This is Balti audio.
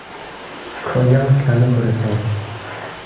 کھو ینگ ہلٹنُو کُھورے سونگس